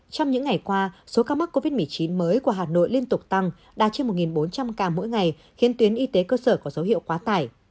trong những ngày qua số ca mắc covid một mươi chín mới của hà nội liên tục tăng đạt trên một bốn trăm linh ca mỗi ngày khiến tuyến y tế cơ sở có dấu hiệu quá tải